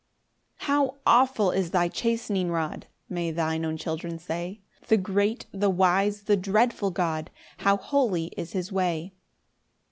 1 "How awful is thy chastening rod!" (May thine own children say) "The great, the wise, the dreadful God! "How holy is his way!"